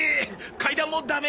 階段もダメ！？